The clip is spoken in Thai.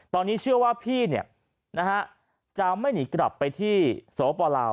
ตอนนี้เชื่อว่าพี่เนี่ยนะฮะจะไม่หนีกลับไปที่สวปลาว